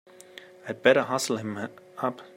I'd better hustle him up!